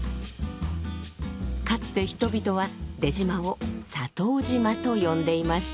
かつて人々は出島を「砂糖島」と呼んでいました。